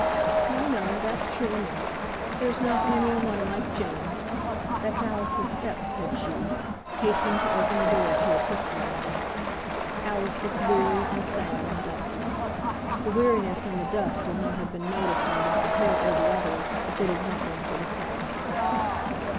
"No! no! that's true enough. There's not many a one like Jem. That's Alice's step," said she, hastening to open the door to her sister in law. Alice looked weary, and sad, and dusty. The weariness and the dust would not have been noticed either by her, or the others, if it had not been for the sadness.